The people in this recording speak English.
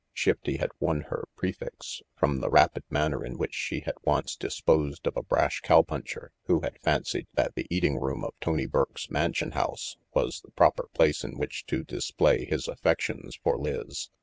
Shifty had won her prefix from the rapid manner in which she had once disposed of a brash cow puncher who had fancied that the eating room of Tony Burke's "Mansion House" was the proper place in which to display his affections for Lizz.